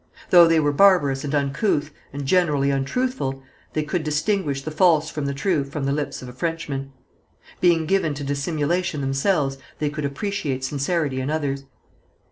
Though they were barbarous and uncouth, and generally untruthful, they could distinguish the false from the true from the lips of a Frenchman. Being given to dissimulation themselves, they could appreciate sincerity in others.